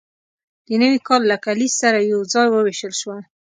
د نوي کال له کلیز سره یوځای وویشل شوه.